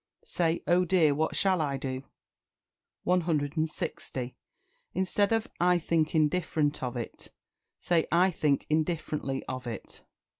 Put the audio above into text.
say "Oh dear, what shall I do?" 160. Instead of "I think indifferent of it," say "I think indifferently of it."